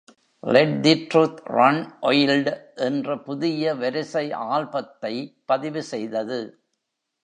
Let the truth run wild! என்ற புதிய வரிசை ஆல்பத்தை பதிவுசெய்தது.